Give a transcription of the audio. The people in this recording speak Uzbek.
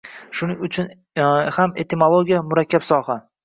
Shuning uchun ham etimologiya – murakkab soha.